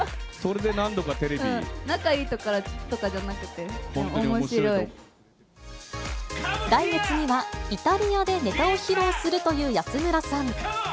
仲いいとかじゃなくて、来月にはイタリアでネタを披露するという安村さん。